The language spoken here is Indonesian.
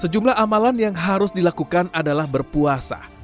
sejumlah amalan yang harus dilakukan adalah berpuasa